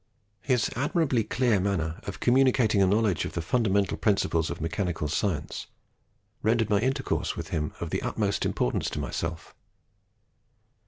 His admirably clear manner of communicating a knowledge of the fundamental principles of mechanical science rendered my intercourse with him of the utmost importance to myself.